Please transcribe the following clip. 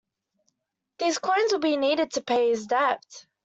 These coins will be needed to pay his debt.